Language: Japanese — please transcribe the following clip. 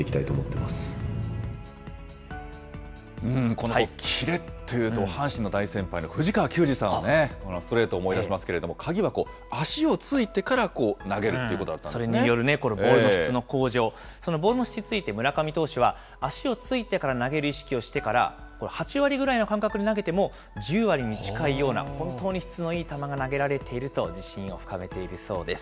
このキレというと、阪神の大先輩の藤川球児さんのね、ストレートを思い出しますけれども、鍵は足を着いてから、投げるそれによるボールの質の向上、そのボールの質について、村上投手は足を着いてから投げる意識をしてから、８割ぐらいの感覚で投げても、１０割に近いような、本当に質のいい球が投げられていると自信を深めているそうです。